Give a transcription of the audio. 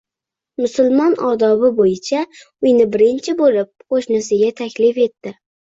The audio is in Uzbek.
Musulmon odobi boʻyicha uyini birinchi boʻlib qoʻshnisiga taklif etdi